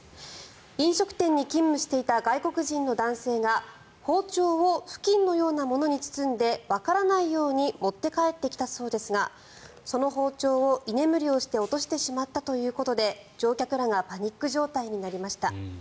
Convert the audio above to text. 飲食店に勤務していた外国人の男性が包丁を布巾のようなものに包んでわからないように持って帰ってきたそうですがその包丁を居眠りをして落としてしまったということで乗客らがパニック状態になりました。